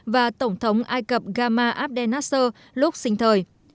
và tổng thống ai cập gama abdel nasser lúc sinh thời